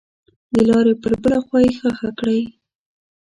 دلارې پر بله خوا یې ښخه کړئ.